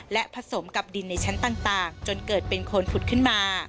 และผสมกับดินในชั้นต่างจนเกิดเป็นคนผุดขึ้นมา